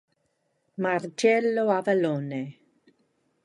Marcello Avallone